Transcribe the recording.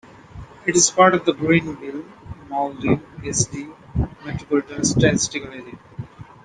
It is part of the Greenville-Mauldin-Easley Metropolitan Statistical Area.